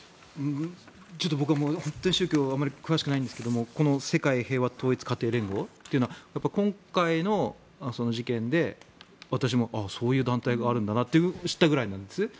僕は本当に宗教にあまり詳しくないんですが世界平和統一家庭連合というのは今回の事件で私もそういう団体があるんだなと知ったぐらいなんです。